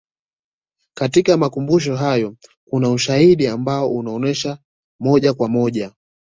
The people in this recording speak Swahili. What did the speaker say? katika makumbusho hayo kuna ushahidi ambao unaonesha moja kwa moja